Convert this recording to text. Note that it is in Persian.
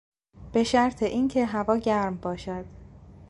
به شرط این که هوا گرم باشد